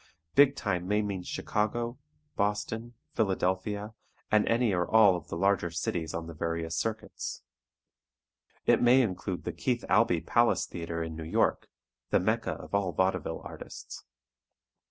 Big time may mean Chicago, Boston, Philadelphia, and any or all the larger cities on the various "circuits." It may include the Keith Albee Palace Theatre in New York, the Mecca of all vaudeville artists.